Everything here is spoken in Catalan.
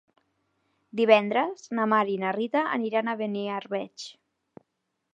Divendres na Mar i na Rita aniran a Beniarbeig.